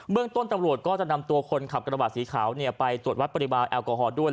เมืองต้นตำรวจก็จะนำตัวคนขับกระบาดสีขาวไปตรวจวัดปริมาณแอลกอฮอล์ด้วย